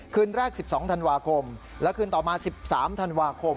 คืนแรก๑๒ธันวาคมและคืนต่อมา๑๓ธันวาคม